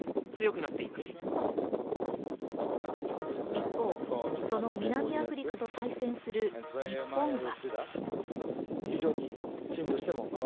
一方、その南アフリカと対戦する日本は。